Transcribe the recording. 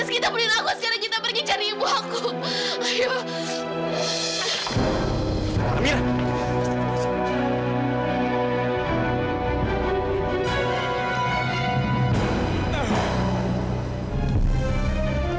rizky kita penuhi ragu